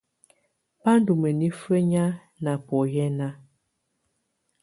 Bá ndɔ́ mǝ́nifǝ́ nyáa na bɔnyɛ́na.